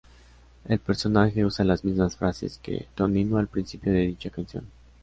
El personaje usa las mismas frases que Tonino al principio de dicha canción.